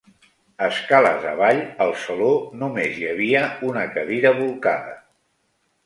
Escales avall, al saló només hi havia una cadira bolcada.